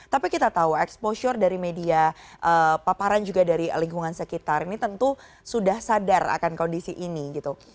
tapi kita tahu exposure dari media paparan juga dari lingkungan sekitar ini tentu sudah sadar akan kondisi ini gitu